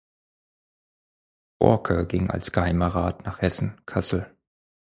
Borcke ging als Geheimer Rat nach Hessen-Kassel.